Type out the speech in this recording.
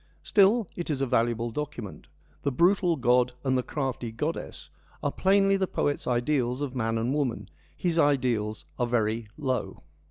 Still, it is a valuable document. The brutal god and the crafty goddess are plainly the poet's ideals of man and woman ; and his ideals are very low.